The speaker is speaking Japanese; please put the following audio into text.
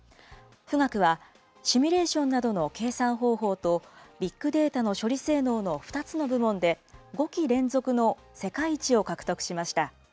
富岳はシミュレーションなどの計算方法とビッグデータの処理性能の２つの部門で、５期連続の世界一を獲得しました。